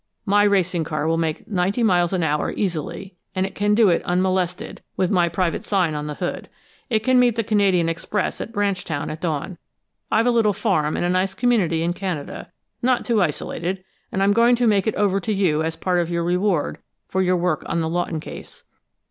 My racing car will make ninety miles an hour, easily, and it can do it unmolested, with my private sign on the hood. It can meet the Canadian express at Branchtown at dawn. I've a little farm in a nice community in Canada, not too isolated, and I'm going to make it over to you as part of your reward for your work on the Lawton case....